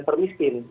jadi kalau kita